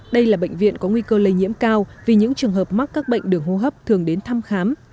đây là bệnh viện có nguy cơ lây nhiễm cao vì những trường hợp mắc các bệnh đường hô hấp thường đến thăm khám